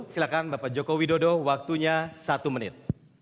silakan bapak joko widodo waktunya satu menit